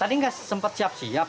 tadi nggak sempat siap siap